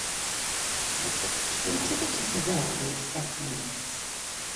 He took it to Seville, where it spent some years.